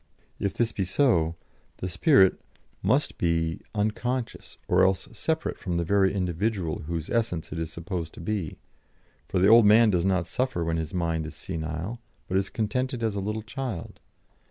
If this be so, the 'spirit' must be unconscious, or else separate from the very individual whose essence it is supposed to be, for the old man does not suffer when his mind is senile, but is contented as a little child.